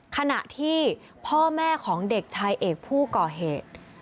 ขณะที่พ่อแม่ของเด็กชายเอกผู้ก่อเหตุ